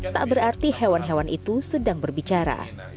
tak berarti hewan hewan itu sedang berbicara